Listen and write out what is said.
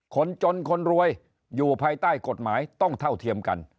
คนจนคนรวยอยู่ภายใต้กฎหมายต้องเท่าเทียมกัน